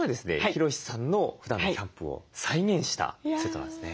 ヒロシさんのふだんのキャンプを再現したセットなんですね。